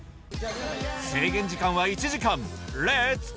制限時間は１時間レッツ